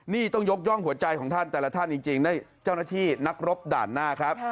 นี่ต้องยกย่องหัวใจของท่านแต่ละท่านจริงในเจ้าหน้าที่นักรบด่านหน้าครับ